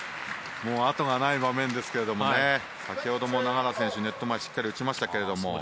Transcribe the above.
もうあとがない場面ですけど先ほども永原選手ネット前しっかり打ちました。